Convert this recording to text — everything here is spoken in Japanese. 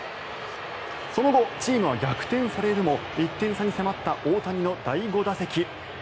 その後、チームは逆転されるも１点差に迫った大谷の第５打席。